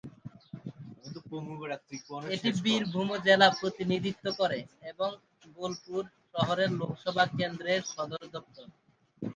এটি বীরভূম জেলা প্রতিনিধিত্ব করে এবং বোলপুর শহরে লোকসভা কেন্দ্রের সদর দফতর।